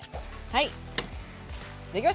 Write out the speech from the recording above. はい。